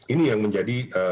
ini yang menjadi